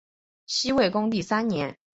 西魏恭帝三年。